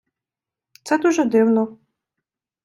Це дуже дивно.